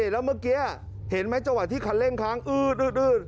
แล้วเมื่อกี้เห็นไหมจังหวะที่คันเร่งค้างอืด